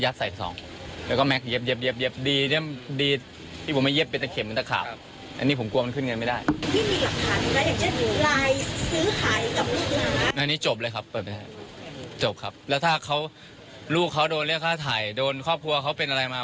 โดนเรียกฆาตถ่ายโดนครอบครัวเขาเป็นอะไรมา